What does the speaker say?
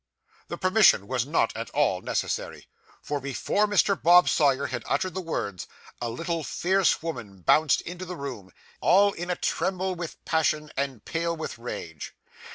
The permission was not at all necessary, for, before Mr. Bob Sawyer had uttered the words, a little, fierce woman bounced into the room, all in a tremble with passion, and pale with rage.